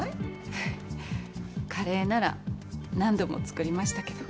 ははっカレーなら何度も作りましたけど。